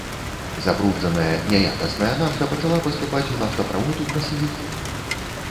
Забруджаная няякасная нафта пачала паступаць у нафтаправод у красавіку.